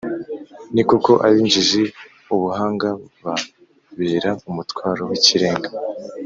Ni koko, ab’injiji ubuhanga bubabera umutwaro w’ikirenga,